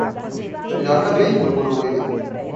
Já acabei, murmurou ele.